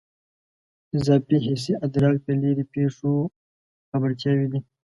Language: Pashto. اضافي حسي ادراک د لیرې پېښو خبرتیاوې دي.